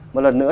một lần nữa